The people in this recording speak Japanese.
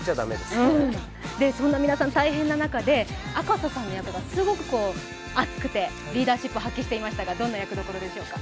そんな皆さん大変な中で赤楚さんの役がすごく熱くて、リーダーシップを発揮してましたがどんな役ですか？